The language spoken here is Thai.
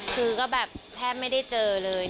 คือก็แบบแทบไม่ได้เจอเลย